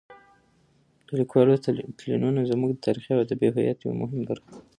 د لیکوالو تلینونه زموږ د تاریخي او ادبي هویت یوه مهمه برخه ده.